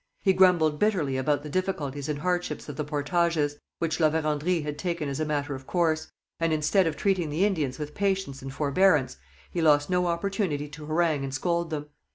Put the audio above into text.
He grumbled bitterly about the difficulties and hardships of the portages, which La Vérendrye had taken as a matter of course; and, instead of treating the Indians with patience and forbearance, he lost no opportunity to harangue and scold them.